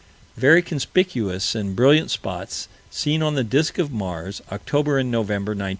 Very conspicuous and brilliant spots seen on the disk of Mars, October and November, 1911.